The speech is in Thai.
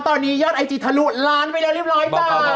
ตอนนี้ยอดไอจีทะลุล้านไปแล้วเรียบร้อยจ้า